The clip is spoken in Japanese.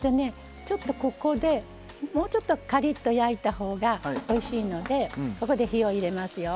ここで、もうちょっとカリッと焼いたほうがおいしいのでここで火を入れますよ。